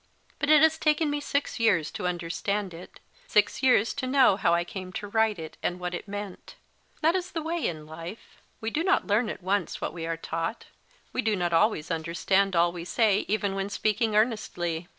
But it has taken me six years to understand it, six years to know how I came to write it, and what it meant. That is the way in life : we do not learn at once what we are taught, we do not always understand all we say even when speaking earnestly.